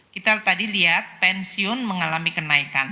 kita tadi lihat pensiun mengalami kenaikan